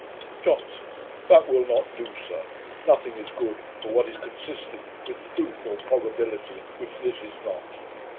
"' JOHNSON. 'That will not do, sir. Nothing is good but what is consistent with truth or probability, which this is not.